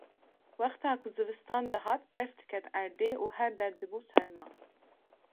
Wexta ku zivistan dihat berf diket erdê û her der dibû serma